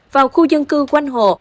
vào khu dân cư quanh hồ